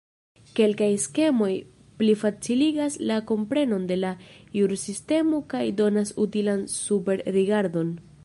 Kelkaj skemoj plifaciligas la komprenon de la jursistemo kaj donas utilan superrigardon.